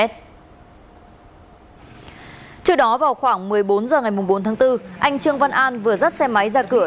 trước đó vào khoảng một mươi bốn h ngày bốn tháng bốn anh trương văn an vừa dắt xe máy ra cửa